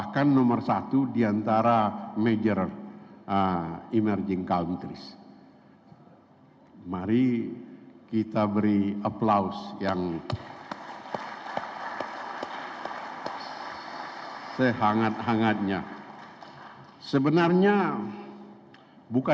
ketua bursa efek